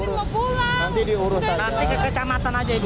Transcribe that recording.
nanti ke kecamatan aja ibu